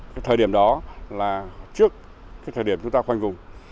cái thời điểm đó là trước cái thời điểm chúng ta khoanh vùng